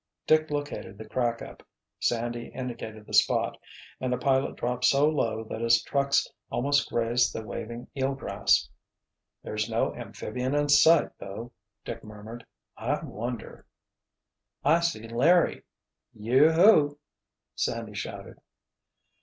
Dick located the crack up, Sandy indicated the spot and the pilot dropped so low that his trucks almost grazed the waving eel grass. "There's no amphibian in sight, though!" Dick murmured. "I wonder——" "I see Larry! Yoo hoo!" Sandy shouted.